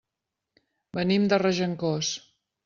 Venim de Regencós.